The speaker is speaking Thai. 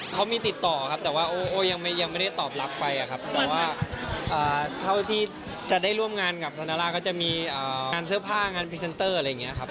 เขามีติดต่อครับแต่ว่าโอ้ยังไม่ได้ตอบรับไปอะครับแต่ว่าเท่าที่จะได้ร่วมงานกับซานาร่าก็จะมีงานเสื้อผ้างานพรีเซนเตอร์อะไรอย่างนี้ครับ